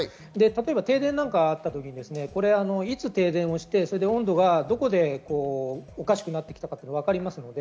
停電などがあった時に、いつ停電して温度がどこでおかしくなってきたかがわかります。